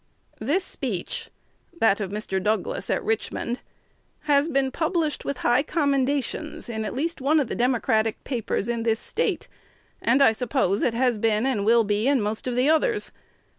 "This speech [that of Mr. Douglas at Richmond] has been published with high commendations in at least one of the Democratic papers in this State, and I suppose it has been and will be in most of the others.